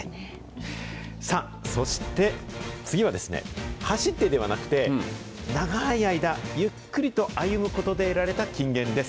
さあ、そして次は、走ってではなくて、長ーい間、ゆっくりと歩むことで得られた金言です。